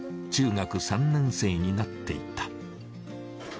中学３年生になっていた。